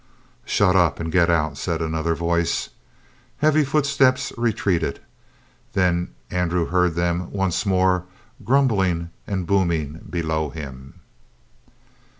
"Shut up and get out," said another voice. Heavy footsteps retreated, then Andrew heard them once more grumbling and booming below him.